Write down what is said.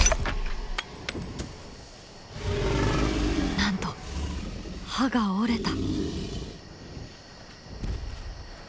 なんと歯が折れた。